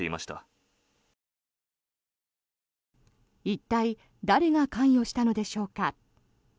一体、誰が関与したのでしょうか。